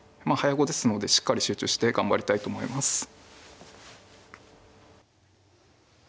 まあ早碁ですのでしっかり集中して頑張りたいと思います。